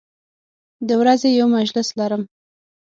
د ورځې یو مجلس لرم